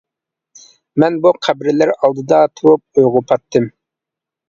مەن بۇ قەبرىلەر ئالدىدا تۇرۇپ ئويغا پاتتىم.